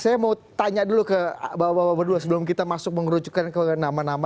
saya mau tanya dulu ke bapak bapak berdua sebelum kita masuk mengerucutkan ke nama nama